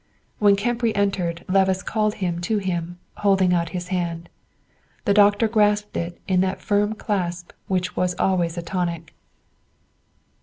When Kemp re entered, Levice called him to him, holding out his hand. The doctor grasped it in that firm clasp which was always a tonic.